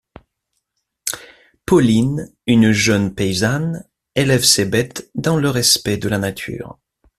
Pauline, une jeune paysanne, élève ses bêtes dans le respect de la nature.